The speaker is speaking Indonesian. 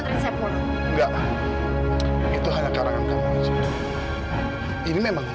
lepasin saya om lepasin om